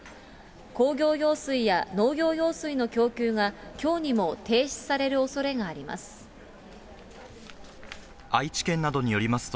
工業用水や農業用水の供給がきょうにも停止されるおそれがあります。